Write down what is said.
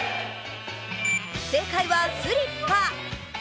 正解はスリッパ。